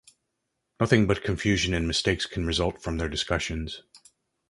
Nothing but confusion and mistakes can result from their discussions.